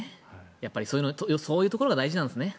やっぱりそういうところが大事なんですね。